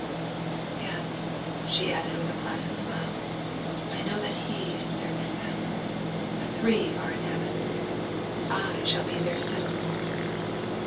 Yes," added she with a placid smile, "I know that he is there with them; the three are in heaven, and I shall be there soon."